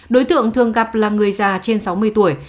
đối tượng thường gặp là người già trên sáu mươi tuổi